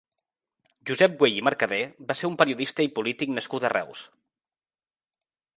Josep Güell i Mercader va ser un periodista i polític nascut a Reus.